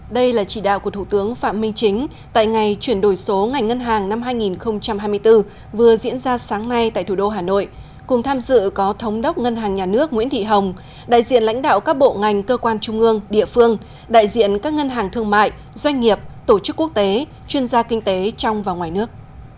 đây là chỉ đạo của thủ tướng phạm minh chính tại ngày chuyển đổi số ngành ngân hàng năm hai nghìn hai mươi bốn vừa diễn ra sáng nay tại thủ đô hà nội cùng tham dự có thống đốc ngân hàng nhà nước nguyễn thị hồng đại diện lãnh đạo các bộ ngành cơ quan trung ương địa phương đại diện các ngân hàng thương mại doanh nghiệp tổ chức quốc tế chuyên gia kinh tế trong và ngoài nước